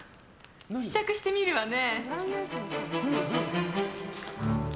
試着してみるわね。